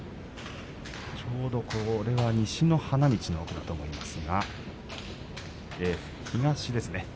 ちょうどこれは西の花道の奥だと思いますが東ですね